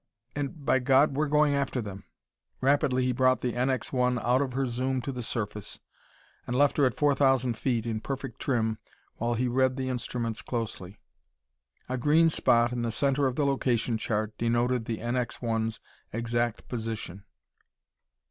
"And, by God, we're going after them!" Rapidly he brought the NX 1 out of her zoom to the surface, and left her at four thousand feet, in perfect trim, while he read the instruments closely. A green spot in the center of the location chart denoted the NX 1's exact position.